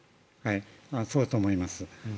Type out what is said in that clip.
そうだと思います。